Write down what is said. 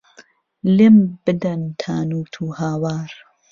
لێم بدەن تانووت و هاوار